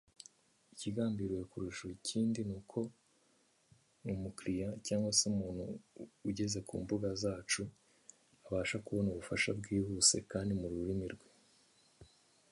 We place a great emphasis on the importance of education and personal growth.